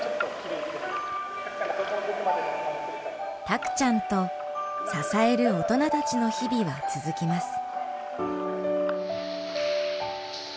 たくちゃんと支える大人たちの日々は続きます。